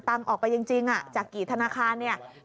ตังค์ออกไปจริงจากกี่ธนาคารนี่